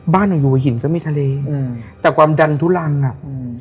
บ้านหนูอยู่หินก็มีทะเลอืมแต่ความดันทุลังอ่ะอืม